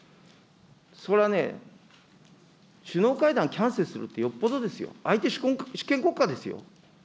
それはね、首脳会談キャンセルするって、よっぽどですよ、相手、主権国家ですよ。